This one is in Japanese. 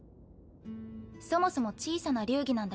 そもそも小さな流儀なんだけどね。